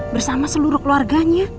bersama seluruh keluarganya